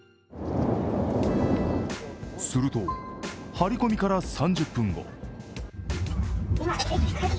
すると、ハリコミから３０分後。